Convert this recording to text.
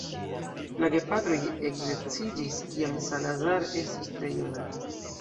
La gepatroj eksedziĝis kiam Salazar estis tre juna.